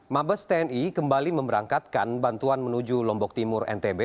mabes tni kembali memberangkatkan bantuan menuju lombok timur ntb